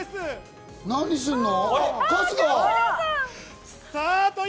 何するの？